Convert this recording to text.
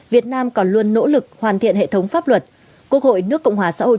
việt nam còn luôn nỗ lực hoàn thiện hệ thống pháp luật quốc hội nước cộng hòa xã hội